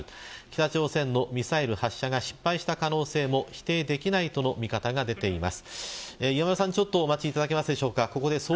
北朝鮮のミサイル発射が失敗した可能性も否定できないとの見方が出ているということです。